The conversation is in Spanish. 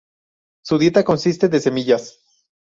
Su dieta consiste de semillas.